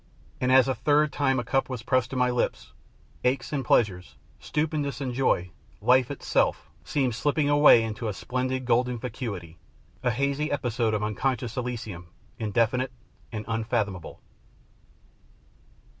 and as a third time a cup was pressed to my lips, aches and pleasures, stupidness and joy, life itself, seemed slipping away into a splendid golden vacuity, a hazy episode of unconscious Elysium, indefinite, and unfathomable.